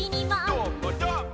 どーもどーも。